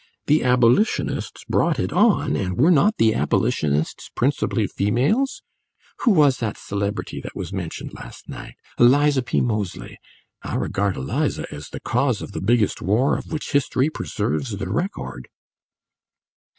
The Abolitionists brought it on, and were not the Abolitionists principally females? Who was that celebrity that was mentioned last night? Eliza P. Moseley. I regard Eliza as the cause of the biggest war of which history preserves the record."